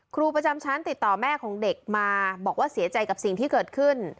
ครูประจำชั้นติดต่อแม่ของเด็กมาบอกว่าเสียใจกับสิ่งที่เกิดขึ้น